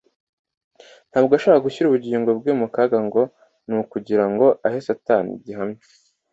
Ntabwo yashakaga gushyira ubugingo bwe mu kaga ngo ni ukugira ngo ahe Satani igihamya.